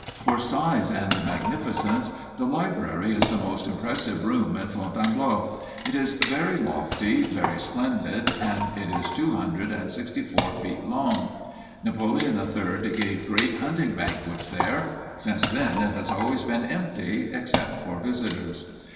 For size and magnificence the library is the most impressive room in Fontainebleau. It is very lofty, very splendid, and it is two hundred and sixty four feet long. Napoleon III gave great hunting banquets there. Since then it has always been empty, except for visitors.